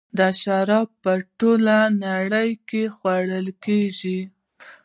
دا شربت په ټوله نړۍ کې خوړل کیږي.